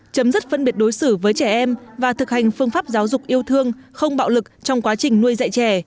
chấm dứt phân biệt đối xử với trẻ em và thực hành phương pháp giáo dục yêu thương không bạo lực trong quá trình nuôi dạy trẻ